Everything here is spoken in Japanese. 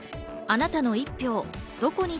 あなたの一票、どこに